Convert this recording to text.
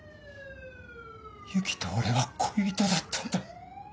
ゆきと俺は恋人だったんだ。